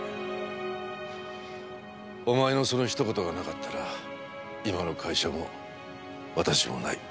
お前のそのひと言がなかったら今の会社も私もない。